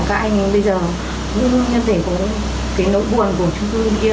các anh bây giờ để có cái nỗi buồn của chúng tôi